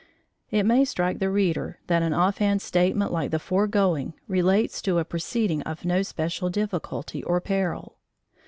It may strike the reader that an offhand statement like the foregoing relates to a proceeding of no special difficulty or peril.